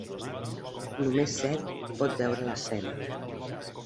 Només Set pot veure l'escena.